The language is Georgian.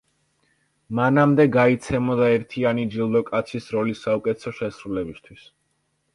მანამდე გაიცემოდა ერთიანი ჯილდო კაცის როლის საუკეთესო შესრულებისთვის.